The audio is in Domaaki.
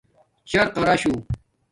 چیراقاشُݸ